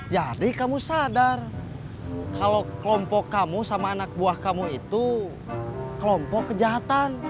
jadi kamu sadar kalau kelompok kamu sama anak buah kamu itu kelompok kejahatan